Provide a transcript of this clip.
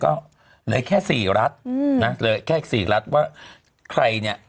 หลายแค่ซีรัฐหลายแค่ซีรัฐว่าใครเนี่ย